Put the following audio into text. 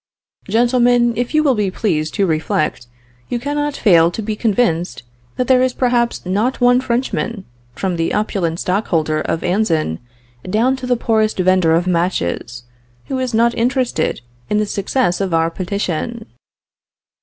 "Gentlemen, if you will be pleased to reflect, you cannot fail to be convinced that there is perhaps not one Frenchman, from the opulent stockholder of Anzin down to the poorest vendor of matches, who is not interested in the success of our petition.